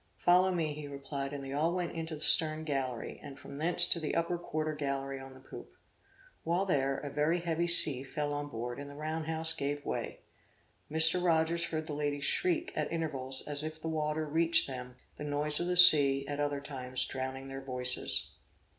"Follow me," he replied, and they all went into the stern gallery, and from thence to the upper quarter gallery on the poop. While there, a very heavy sea fell on board and the round house gave way; Mr. Rogers heard the ladies shriek at intervals, as if the water reached them; the noise of the sea, at other times, drowning their voices.